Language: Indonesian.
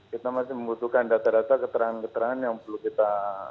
kita masih membutuhkan data data keterangan keterangan yang perlu kita